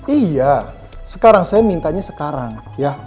iya sekarang saya mintanya sekarang ya